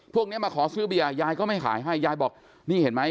พวกนี้มาขอซื้อเบียร์ยายก็ไม่ขายให้ยายบอกนี่เห็นไหม